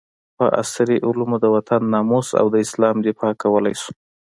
په عصري علومو د وطن ناموس او د اسلام دفاع کولي شو